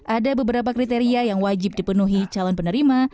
ada beberapa kriteria yang wajib dipenuhi calon penerima